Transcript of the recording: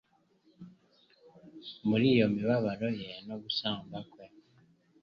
Muri iyo mibabaro ye no gusamba kwe,